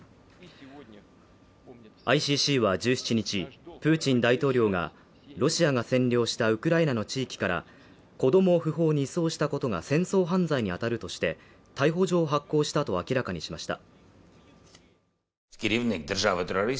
ＩＣＣは１７日、プーチン大統領が、ロシアが占領したウクライナの地域から子供を不法に移送したことが戦争犯罪にあたるとして、逮捕状を発行したと明らかにしました。